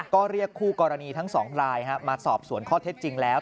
ก็เรียกคู่กรณีทั้งสองรายมาสอบสวนข้อเท็จจริงแล้ว